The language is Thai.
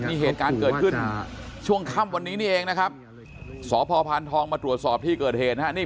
นี่เหตุการณ์เกิดขึ้นช่วงค่ำวันนี้นี่เองนะครับสพพานทองมาตรวจสอบที่เกิดเหตุนะฮะนี่